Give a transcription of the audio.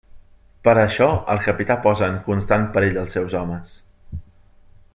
Per a això, el capità posa en constant perill als seus homes.